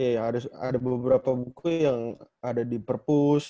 iya ada beberapa buku yang ada di purpose